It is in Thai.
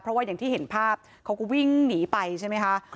เพราะว่าอย่างที่เห็นภาพเขาก็วิ่งหนีไปใช่ไหมคะ